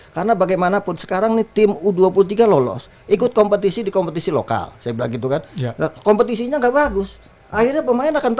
karena bagaimanapun sekarang nih tim u dua puluh tiga lolos ikut kompetisi di kompetisi lokal saya bilang gitu kan